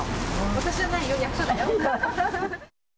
私じゃないよ、役所だよ。